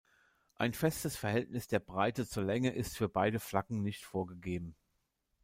Ein festes Verhältnis der Breite zur Länge ist für beide Flaggen nicht vorgegeben.